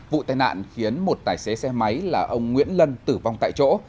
vụ tai nạn khiến một tài xế xe máy là ông nguyễn lân tử vong tại chỗ